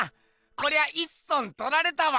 こりゃいっそんとられたわ。